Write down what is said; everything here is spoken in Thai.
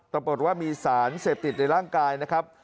ปรากฏว่ามีสารเสพติดในร่างกายนะครับ